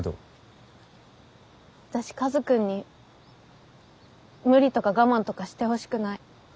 私カズくんに無理とか我慢とかしてほしくない。